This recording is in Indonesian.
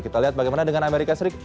kita lihat bagaimana dengan amerika serikat